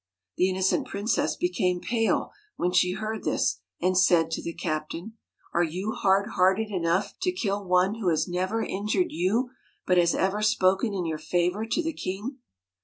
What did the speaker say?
The innocent princess became pale when she heard this, and said to the captain :' Are you hard hearted enough to kill one who has never injured you, but has ever spoken in your favour to the king.'